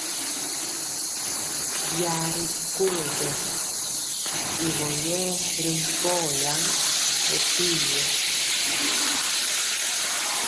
Biaŋ rikolo bɛ tyigɔ yɛɛ ri mpogɔ yaŋ bɛ pir yɛ.